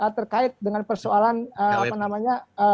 terkait dengan persoalan apa namanya